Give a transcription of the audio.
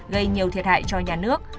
gây nhiều thiệt hại cho nhà nước